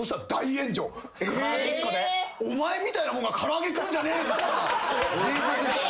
お前みたいなもんが唐揚げ食うんじゃねえみたいな。